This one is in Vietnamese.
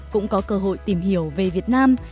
cũng có cơ hội tìm hiểu về việt nam